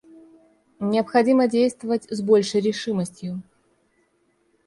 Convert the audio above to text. Необходимо действовать с большей решимостью.